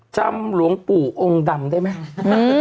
จำหลวงปู่องค์ดำได้ไหม